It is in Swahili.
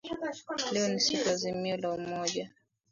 Leo ni siku ya azimio la umoja